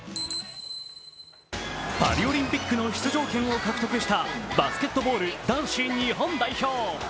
パリオリンピックの出場権を獲得したバスケットボール男子日本代表。